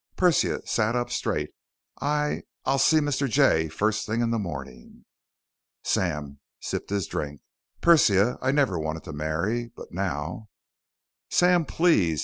Persia sat up straight. "I ... I'll see Mr. Jay first thing in the morning!" Sam sipped his drink. "Persia, I never wanted to marry, but now " "Sam, please!"